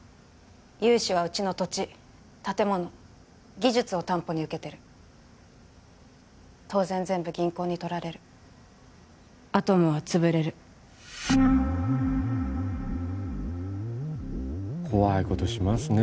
融資はうちの土地建物技術を担保に受けてる当然全部銀行に取られるアトムはつぶれる怖いことしますね